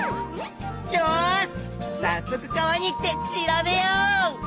よしさっそく川に行って調べよう！